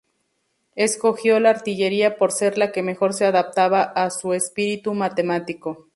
Escogió la artillería por ser la que mejor se adaptaba a su espíritu matemático.